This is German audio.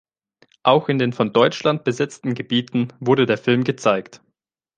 Auch in den von Deutschland besetzten Gebieten wurde der Film gezeigt.